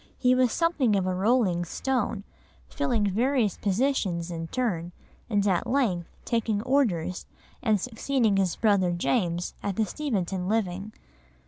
He was something of a rolling stone, filling various positions in turn, and at length taking Orders and succeeding his brother James in the Steventon living.